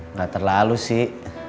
nggak terlalu sih